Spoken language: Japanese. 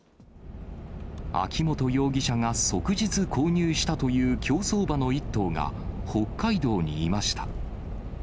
秋本容疑者が即日購入したという競走馬の１頭が、北海道にいました。